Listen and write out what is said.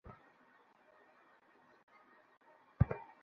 এমনকি অশ্রু-ধারা তার শত্রু সিক্ত করে ফেলল।